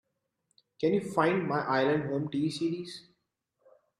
Can you find My Island Home TV series?